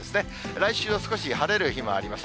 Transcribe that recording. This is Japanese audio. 来週は少し晴れる日もあります。